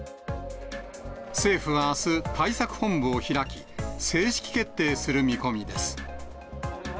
政府はあす、対策本部を開き、正式決定する見込みです。